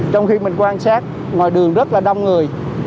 trong khi mình quan sát ngoài đường rất là đông người